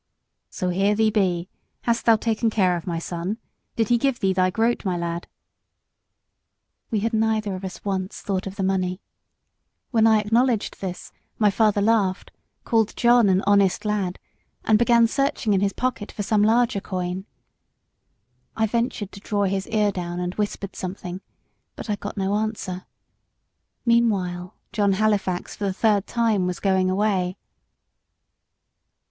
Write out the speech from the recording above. "So here thee be hast thou taken care of my son? Did he give thee thy groat, my lad?" We had neither of us once thought of the money. When I acknowledged this my father laughed, called John an honest lad, and began searching in his pocket for some larger coin. I ventured to draw his ear down and whispered something but I got no answer; meanwhile, John Halifax for the third time was going away.